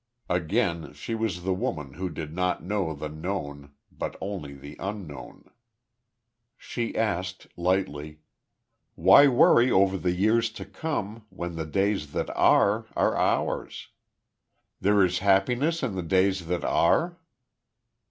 Again she was the woman who did not know the Known, but only the Unknown. She asked, lightly: "Why worry over the years to come when the days that are are ours.... There is happiness in the days that are?"